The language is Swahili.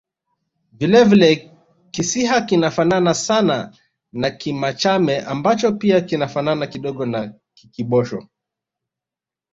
Vile vile Kisiha kinafanana sana na Kimachame ambacho pia kinafanana kidogo na Kikibosho